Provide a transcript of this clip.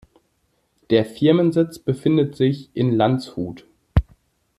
Der Firmensitz befindet sich in Landshut.